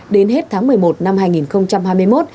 đến hết tháng một mươi một năm hai nghìn hai mươi một